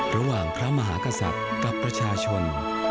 ระหว่างพระมหากษัตริย์กับประชาชน